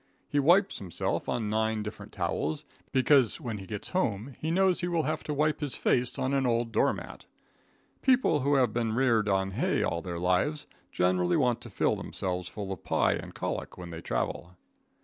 He wipes himself on nine different towels, because when he gets home, he knows he will have to wipe his face on an old door mat. People who have been reared on hay all their lives, generally want to fill themselves full of pie and colic when they travel.